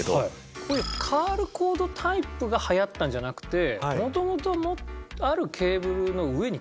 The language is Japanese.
こういうカールコードタイプが流行ったんじゃなくて元々あるケーブルの上にこれを巻くって事ですか？